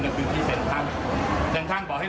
แต่ผมจะฉีดก่อนเนี่ยทำไม